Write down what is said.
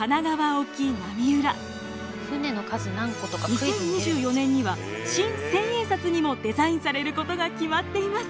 ２０２４年には新千円札にもデザインされることが決まっています。